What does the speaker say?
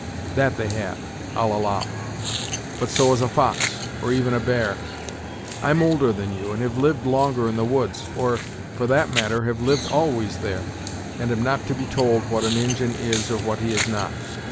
That they have, I'll allow; but so has a fox, or even a bear. I'm older than you, and have lived longer in the woods or, for that matter, have lived always there, and am not to be told what an Injin is or what he is not.